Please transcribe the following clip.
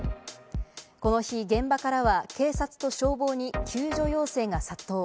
この日、現場からは警察と消防に救助要請が殺到。